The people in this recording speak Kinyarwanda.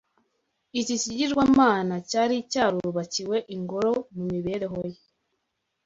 Iki kigirwamana cyari cyarubakiwe ingoro mu mibereho ye